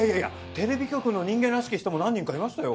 テレビ局の人間らしき人も何人かいましたよ。